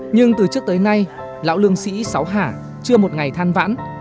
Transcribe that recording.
nhưng từ trước tới nay lão lương sĩ sáu hạ chưa một ngày than vãn